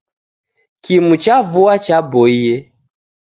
Kimu cha vua cha'aboie